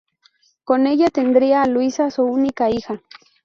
Con ella tendría a Luisa, su única hija.